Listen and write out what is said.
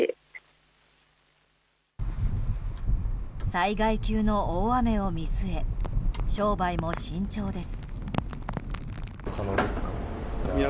災害級の大雨を見据え商売も慎重です。